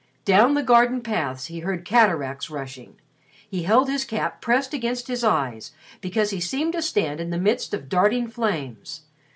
Down the garden paths he heard cataracts rushing. He held his cap pressed against his eyes because he seemed to stand in the midst of darting flames.